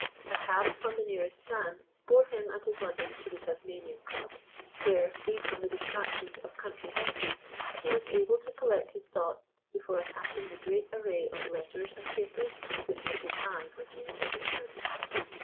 A cab from the nearest stand bore him and his luggage to the Tasmanian Club, where, freed from the distractions of country houses, he was able to collect his thoughts before attacking the great array of letters and papers, which met his eye when he entered his room.